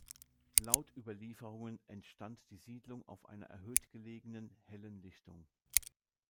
Laut Überlieferungen entstand die Siedlung auf einer erhöht gelegenen, hellen Lichtung.